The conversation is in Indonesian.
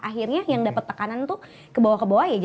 akhirnya yang dapet tekanan tuh kebawah kebawah ya